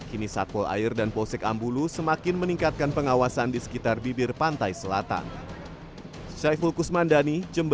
kini satpol air dan posek ambulu semakin meningkatkan pengawasan di sekitar bibir pantai selatan